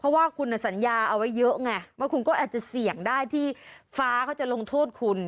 เพราะว่าคุณสัญญาเอาไว้เยอะไงว่าคุณก็อาจจะเสี่ยงได้ที่ฟ้าเขาจะลงโทษคุณ